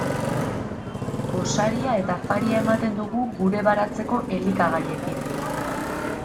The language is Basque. Gosaria eta afaria ematen dugu gure baratzeko elikagaiekin.